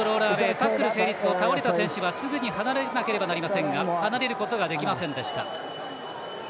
タックルした選手はすぐに離れなければなりませんが離れることができませんでした。